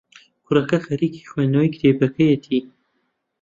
کوڕەکە خەریکی خوێندنەوەی کتێبەکەیەتی.